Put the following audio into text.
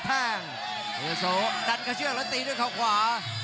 แทงโฮโซดันกระเชือกแล้วตีด้วยเขาขวา